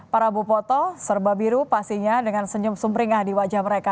para bopoto serba biru pastinya dengan senyum sumringah di wajah mereka